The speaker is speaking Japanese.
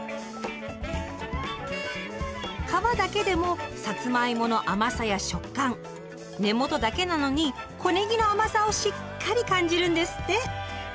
皮だけでもさつまいもの甘さや食感根元だけなのに小ねぎの甘さをしっかり感じるんですって。